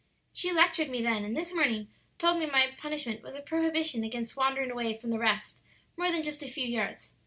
"She lectured me then, and this morning told me my punishment was a prohibition against wandering away from the rest more than just a few yards.